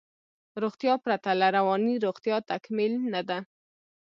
روغتیا پرته له روانی روغتیا تکمیل نده